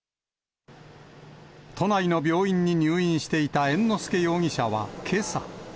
都内の病院に入院していた猿之助容疑者はけさ。